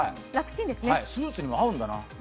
スーツにも合うんだな。